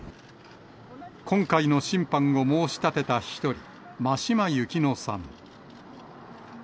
今回の審判を申し立てた１人、真島幸乃さん。